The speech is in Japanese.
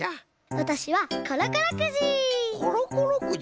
わたしはコロコロくじ！